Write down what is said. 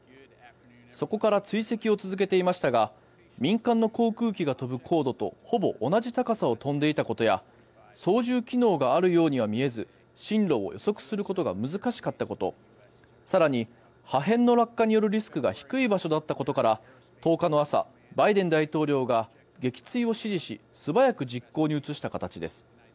そこから追跡を続けていましたが民間の航空機が飛ぶ高度とほぼ同じ高さを飛んでいたことや操縦機能があるようには見えず進路を予測することが難しかったこと更に破片の落下によるリスクが低い場所だったことから１０日の朝バイデン大統領が撃墜を指示し素早く実行に移した形です。